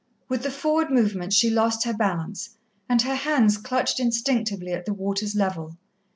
With the forward movement, she lost her balance, and her hands clutched instinctively at the water's level.